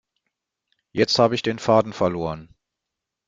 Jetzt habe ich den Faden verloren.